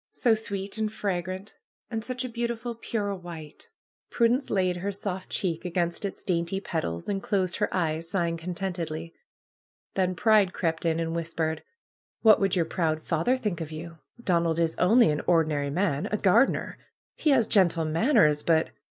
So sweet and fragrant ! And such a beautiful pure white ! Prudence laid her soft cheek against its dainty petals, and closed her eyes, sighing contentedly. Then Pride crept in and whispered : ^^What would your proud father think of you? Don ald is only an ordinary man! A gardener! He haa gentle manners, but !